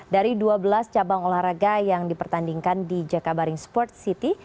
dari dua belas cabang olahraga yang dipertandingkan di jakabaring sport city